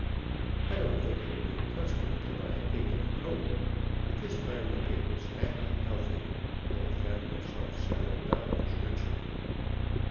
I don't think it a good custom to buy a pig in a poke, but this time the pig was fat and healthy, and I found myself several dollars richer.